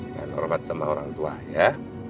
dan hormat sama orang tua ya